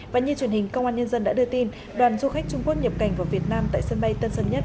và như truyền hình công an nhân dân đã đưa tin đoàn du khách trung quốc nhập cảnh vào việt nam tại sân bay tân sơn nhất